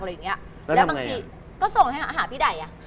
แล้วบางทีก็ส่งให้หาพี่ไดอ่ะ